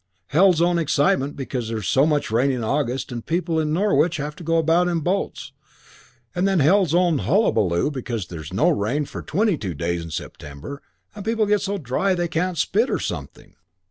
Hell's own excitement because there's so much rain in August and people in Norwich have to go about in boats, and then hell's own hullaballoo because there's no rain for twenty two days in September and people get so dry they can't spit or something."